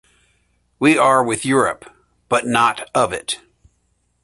We are with Europe, but not of it.